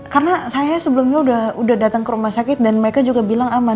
karena saya sebelumnya udah datang ke rumah sakit dan mereka juga bilang aman